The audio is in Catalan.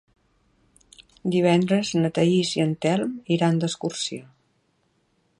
Divendres na Thaís i en Telm iran d'excursió.